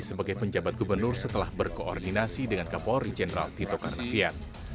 sebagai penjabat gubernur setelah berkoordinasi dengan kapolri jenderal tito karnavian